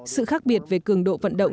sự khác biệt về cường độ vận động